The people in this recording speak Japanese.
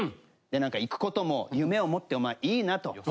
行く事も「夢を持ってお前いいな」と。